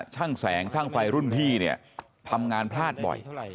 ช่างแสงช่างไฟรุ่นพี่เนี่ยทำงานพลาดบ่อย